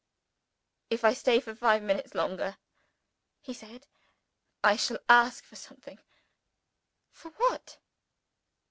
"If I stay for five minutes longer," he said, "I shall ask for something." "For what?"